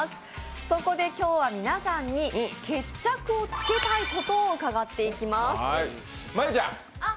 そこで今日は皆さんに、決着をつけたいことを伺っていきます。